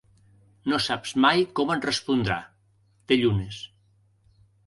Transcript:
No saps mai com et respondrà: té llunes.